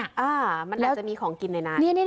อ่ามันอาจจะมีของกินหน่อยนะ